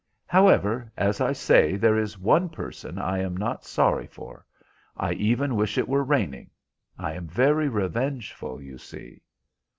"However, as I say, there is one person I am not sorry for; I even wish it were raining. I am very revengeful, you see."